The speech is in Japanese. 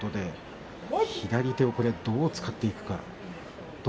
左手をどう使っていくか。